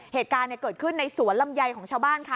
เหตุการณ์เกิดขึ้นในสวนลำไยของชาวบ้านค่ะ